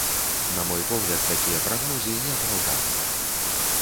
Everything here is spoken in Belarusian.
На мой погляд, такія прагнозы не апраўданыя.